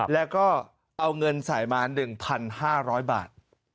แล้วก็เอาเงินใส่มา๑๕๐๐บาท